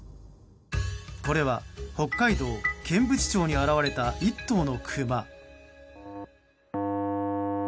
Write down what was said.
これは北海道剣淵町に現れた１頭のクマ。